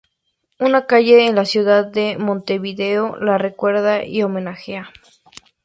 Una calle en la ciudad de Montevideo la recuerda y homenajea.